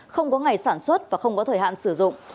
không có ngày sản xuất và không có thời hạn sử dụng